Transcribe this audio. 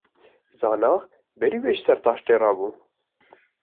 Zana berî wê ji ser taştê rabû.